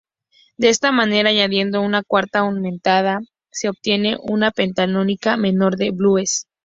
De esa manera, añadiendo una cuarta aumentada, se obtiene una pentatónica menor de blues.